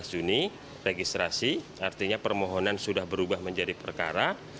sebelas juni registrasi artinya permohonan sudah berubah menjadi perkara